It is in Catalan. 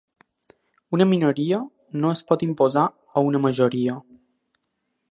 Una minoria no es pot imposar a una majoria.